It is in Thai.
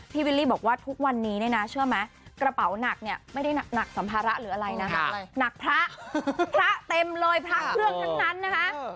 พี่วิลลี่บอกว่าทุกวันนี้นะเชื่อไหมกระเป๋าหนักไม่ได้หนักสัมภาระหรืออะไรหนักพระเพื่องทั้งนั้น